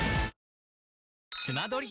スマドリ！